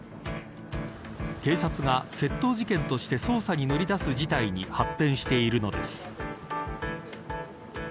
警察が窃盗事件として捜査に乗り出す事態に発展しているのです。